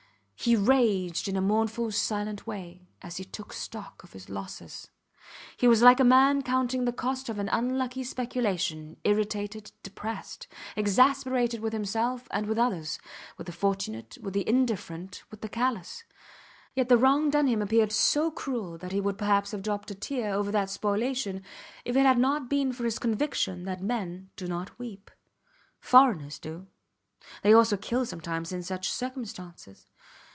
He raged in a mournful, silent way, as he took stock of his losses. He was like a man counting the cost of an unlucky speculation irritated, depressed exasperated with himself and with others, with the fortunate, with the indifferent, with the callous; yet the wrong done him appeared so cruel that he would perhaps have dropped a tear over that spoliation if it had not been for his conviction that men do not weep. Foreigners do; they also kill sometimes in such circumstances.